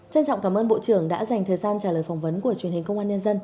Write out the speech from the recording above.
trân trọng cảm ơn bộ trưởng đã dành thời gian trả lời phỏng vấn của truyền hình công an nhân dân